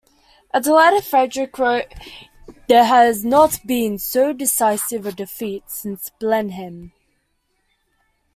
A delighted Fredrick wrote "there has not been so decisive a defeat since Blenheim".